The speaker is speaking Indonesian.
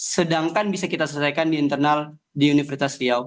sedangkan bisa kita selesaikan di internal di universitas riau